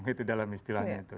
itu dalam istilahnya itu